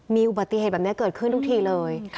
มีอุบัติเหตุแบบนี้เกิดขึ้นทุกทีเลย